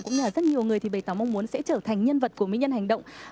cũng như là rất nhiều người thì bày tỏ mong muốn sẽ trở thành nhân vật của nguyên nhân hành động